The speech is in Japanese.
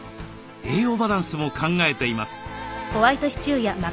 栄養バランスも考えています。